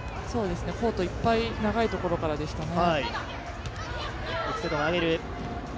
コートいっぱい長いところからでしたね。